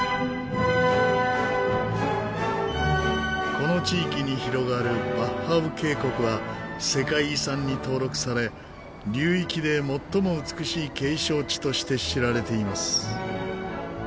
この地域に広がるヴァッハウ渓谷は世界遺産に登録され流域で最も美しい景勝地として知られています。